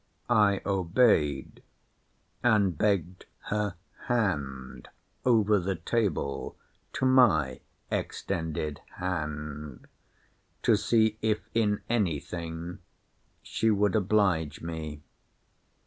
I obeyed, and begged her hand over the table, to my extended hand; to see, if in any thing she would oblige me.